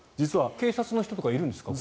警察の人とかいるんですか？